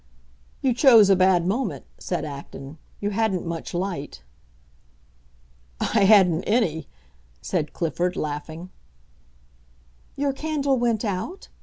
"You chose a bad moment," said Acton; "you hadn't much light." "I hadn't any!" said Clifford, laughing. "Your candle went out?"